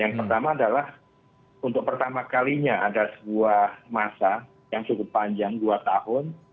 yang pertama adalah untuk pertama kalinya ada sebuah masa yang cukup panjang dua tahun